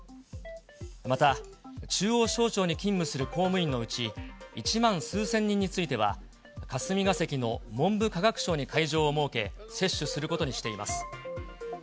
また、中央省庁に勤務する公務員のうち１万数千人については、霞が関の文部科学省に会場を設け、接種することにしています。